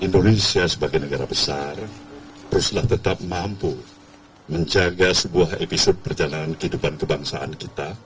indonesia sebagai negara besar haruslah tetap mampu menjaga sebuah episode perjalanan kehidupan kebangsaan kita